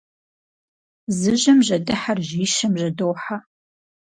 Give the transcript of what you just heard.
Зы жьэм жьэдыхьэр жьищэм жьэдохьэ.